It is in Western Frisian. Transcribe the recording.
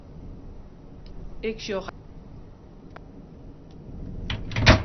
Ik sjoch hast gjin telefyzje.